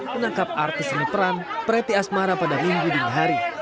menangkap artis seni peran preti asmara pada minggu dini hari